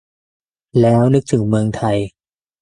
แล้วนึกถึงเมืองไทย